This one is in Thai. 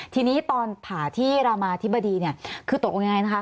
ทีนี้ตอนผ่าที่รมาธิบดีคือตกเป็นอย่างไรนะคะ